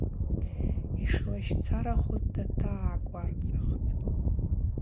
Йшгӏалащцарахуз датагӏагварцӏхтӏ.